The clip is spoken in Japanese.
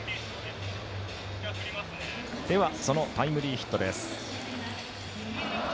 ではそのタイムリーヒットです。